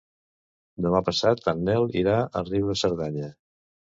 Demà passat en Nel irà a Riu de Cerdanya.